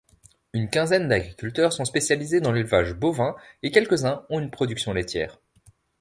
Une quinzaine d'agriculteurs sont spécialisés dans l'élevage bovin et quelques-uns ont une production laitière.